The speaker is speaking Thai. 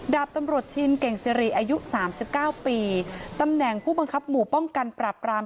ดาบตำรวจชินเก่งสิริอายุสามสิบเก้าปีตำแหน่งผู้บังคับหมู่ป้องกันปราบราม